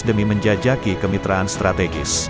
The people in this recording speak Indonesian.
demi menjajaki kemitraan strategis